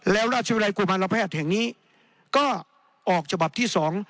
แล้วราชวิทยาลัยกุมารแพทย์แห่งนี้ก็ออกฉบับที่สอง